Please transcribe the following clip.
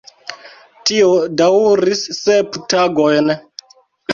Tio daŭris sep tagojn.